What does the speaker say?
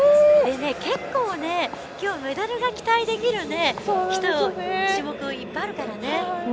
結構ね、今日はメダルが期待できる種目がいっぱいあるからね。